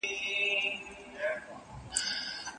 لاري د مغولو چي سپرې سوې پر کېږدیو